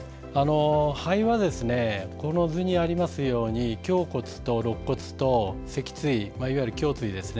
肺は、この図にあるように胸骨とろっ骨と脊椎、いわゆる胸椎ですね。